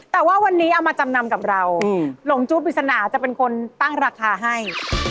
แต่ว่าวันนี้เอามาจำนำกับเราหลงจู้ปริศนาจะเป็นคนตั้งราคาให้